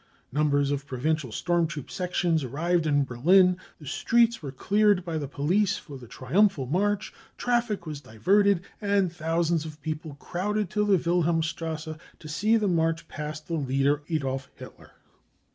Numbers of provincial storm troop sections arrived in Berlin ; the streets were cleared by the police for the triumphal march ; traffic was diverted, and thousands of people crowded to the Wilhelms trasse to see the march past the leader Adolf Hitler.